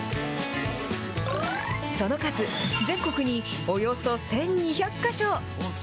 その数、全国におよそ１２００か所。